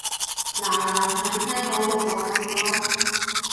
嗱嗱臨上車好過講咁多